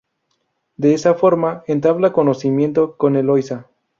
De esa forma entabla conocimiento con Eloisa.